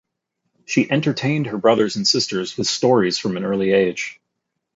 She entertained her brothers and sisters with stories from an early age.